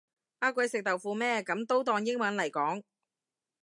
呃鬼食豆腐咩噉都當英文嚟講